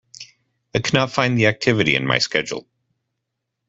I could not find the activity in my Schedule.